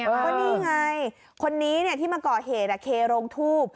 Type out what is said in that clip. ก็นี่ไงคนนี้ที่มาก่อเหตุเคโรงทูบ